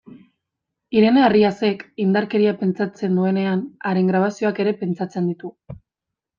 Irene Arriasek, indarkeria pentsatzen duenean, haren grabazioak ere pentsatzen ditu.